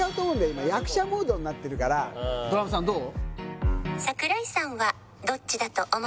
今役者モードになってるからドラムさんどう？